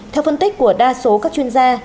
theo phân tích của đa số các chuyên gia